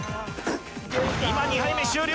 今２杯目終了